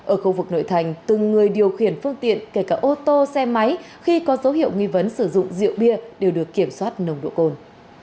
ở khu vực nội thành từng người điều khiển phương tiện kể cả ô tô xe máy khi có dấu hiệu nghi vấn sử dụng rượu bia đều được kiểm soát nồng độ cồn